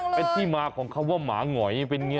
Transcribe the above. เป็นที่มาของคำว่าหมาหงอยเป็นไง